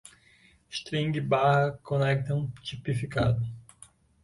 string, barra, conectam, tipificado